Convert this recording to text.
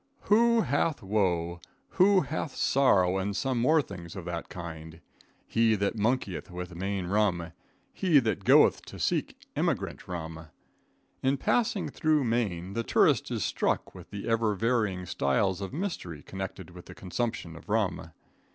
Who hath woe? who hath sorrow and some more things of that kind? He that monkeyeth with Maine rum; he that goeth to seek emigrant rum. In passing through Maine the tourist is struck with the ever varying styles of mystery connected with the consumption of rum.